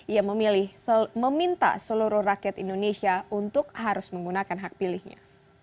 ia meminta seluruh rakyat indonesia untuk harus menggunakan hak pilihnya